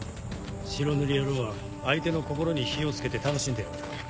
白塗り野郎は相手の心に火を付けて楽しんでやがる。